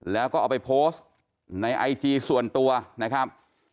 แล้วก็เอาไปโพสต์ในไอจีส่วนตัวนะครับ